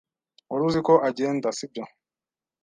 Wari uziko agenda, sibyo?